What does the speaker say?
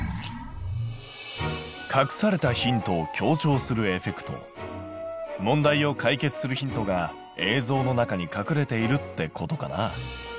隠されたヒントを強調するエフェクト問題を解決するヒントが映像の中に隠れているってことかな。